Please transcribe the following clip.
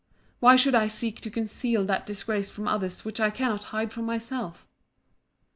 Why should I seek to conceal that disgrace from others which I cannot hide from myself?